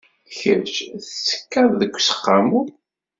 Kecc tettekkaḍ deg useqqamu?